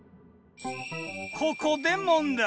ここで問題。